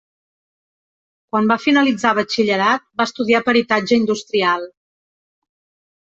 Quan va finalitzar Batxillerat, va estudiar peritatge industrial.